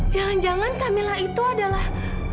jangan jangan camillah itu adalah